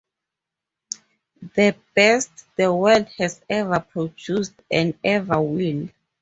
The best the world has ever produced and ever will!